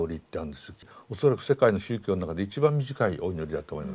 恐らく世界の宗教の中で一番短いお祈りだと思います。